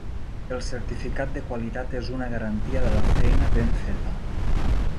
El certificat de qualitat és una garantia de la feina ben feta.